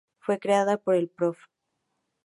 Fue creada por el Prof.